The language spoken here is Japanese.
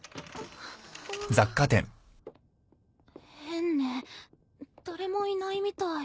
変ね誰もいないみたい。